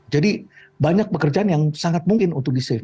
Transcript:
jadi banyak pekerjaan yang sangat mungkin untuk disave